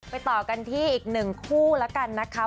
ต่อกันที่อีกหนึ่งคู่แล้วกันนะคะ